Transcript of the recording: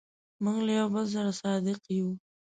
موږ له یو بل سره صادق یو.